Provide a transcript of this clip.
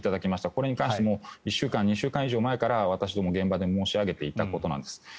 これというのも１週間、２週間ぐらい前から私ども、現場で申し上げていたことなんです。